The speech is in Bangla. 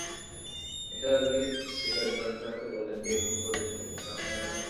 নিসার আলি সিগারেট ধরাতে-ধরাতে বললেন, কে খুন করেছে তা আপনিও জানেন।